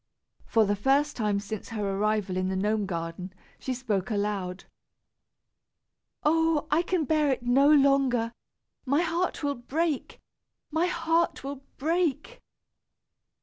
For the first time since her arrival in the gnome garden, she spoke aloud. "Oh! I can bear it no longer. My heart will break! My heart will break."